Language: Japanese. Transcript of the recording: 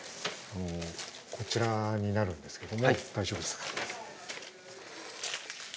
こちらになるんですけども大丈夫ですか？